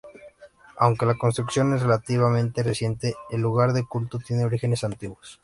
Aunque la construcción es relativamente reciente, el lugar de culto tiene orígenes antiguos.